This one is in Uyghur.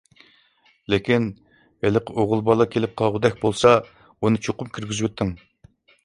لېكىن، ھېلىقى ئوغۇل بالا كېلىپ قالغۇدەك بولسا، ئۇنى چوقۇم كىرگۈزۈۋېتىڭ.